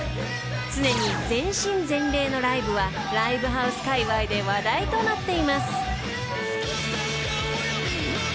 ［常に全身全霊のライブはライブハウスかいわいで話題となっています］